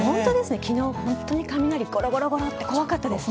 昨日、本当に雷ゴロゴロっと怖かったですね。